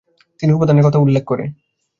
তিনি উপাদানের কথা উল্লেখ করে